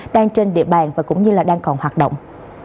đang trên địa bàn và cũng như đang còn hoạt động